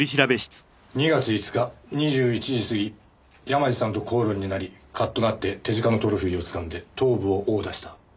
２月５日２１時過ぎ山路さんと口論になりカッとなって手近なトロフィーをつかんで頭部を殴打した。